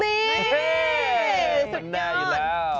นี่สุดยอด